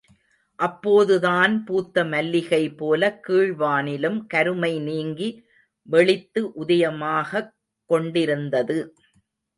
அப்போதுதான் பூத்த மல்லிகைபோலக் கீழ் வானிலும் கருமை நீங்கி வெளித்து உதயமாகக் கொண்டிருந்தது.